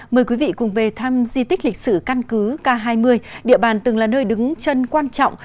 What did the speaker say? mời quý vị cùng về thăm di tích lịch sử căn cứ k hai mươi địa bàn từng là nơi đứng chân quan trọng